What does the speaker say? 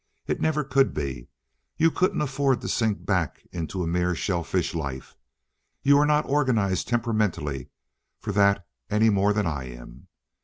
It never could be. You couldn't afford to sink back into a mere shell fish life. You are not organized temperamentally for that any more than I am.